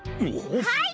はい！